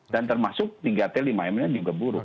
dan termasuk tiga t lima m nya juga buruk